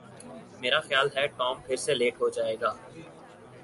میرا خیال ہے ٹام پھر سے لیٹ ہو جائے گا